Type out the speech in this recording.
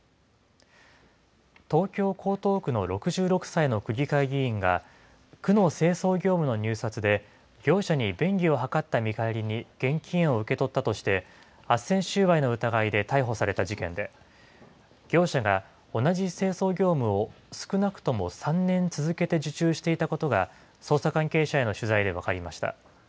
東京・江東区の６６歳の区議会議員が、区の清掃業務の入札で、業者に便宜を図った見返りに、現金を受け取ったとして、あっせん収賄の疑いで逮捕された事件で、業者が同じ清掃業務を少なくとも３年続けて受注していたことが、捜査関係者への取材で分かりました。